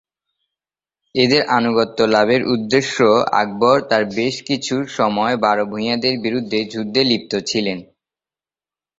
এঁদের আনুগত্য লাভের উদ্দেশ্যে আকবর তাঁর বেশকিছু সময় বারো ভুঁইয়াদের বিরুদ্ধে যুদ্ধে লিপ্ত ছিলেন।